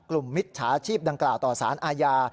มิจฉาชีพดังกล่าวต่อสารอาญา